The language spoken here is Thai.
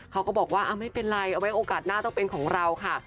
เขาก็บอกว่าไม่เป็นไรเอาไว้โอกาสหน้าต้องเป็นของเราค่ะ